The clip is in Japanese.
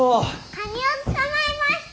カニを捕まえました。